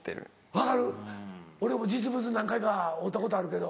分かる俺も実物何回か会うたことあるけど。